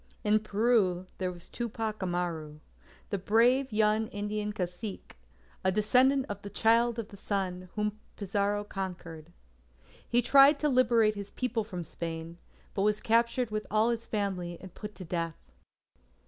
In Peru, there was Tupac Amaru, the brave young Indian Cacique, a descendant of the "Child of the Sun" whom Pizarro conquered. He tried to liberate his people from Spain, but was captured with all his family, and put to death.